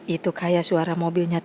itu kayak suara mobilnya tuhan